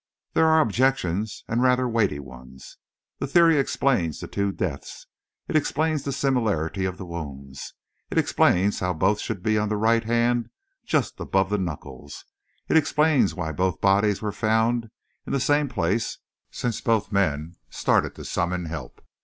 "There are objections and rather weighty ones. The theory explains the two deaths, it explains the similarity of the wounds, it explains how both should be on the right hand just above the knuckles, it explains why both bodies were found in the same place since both men started to summon help.